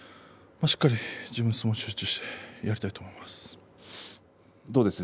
しっかり自分の相撲に集中してやりたいと思います。